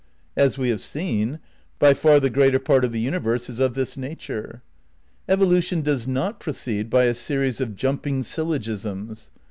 As we have seen, by far the greater part of the universe is of this nature. Evolution does not proceed by a series of jumping syllogisms.